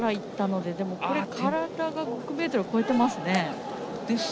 でも、これ体が６ｍを超えていますね。